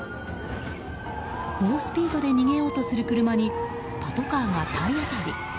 猛スピードで逃げようとする車にパトカーが体当たり。